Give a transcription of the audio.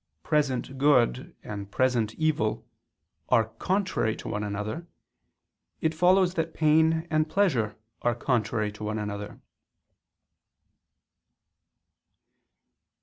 present good and present evil, are contrary to one another, it follows that pain and pleasure are contrary to one another.